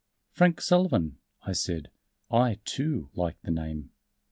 "Frank Sullivan," I said. "I, too, like the name."